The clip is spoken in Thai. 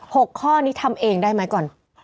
หกข้อนี้ทำเองได้ไหมก่อน